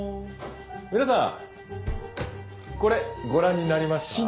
皆さんこれご覧になりました？